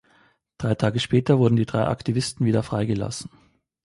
Drei Tage später wurden die drei Aktivisten wieder freigelassen.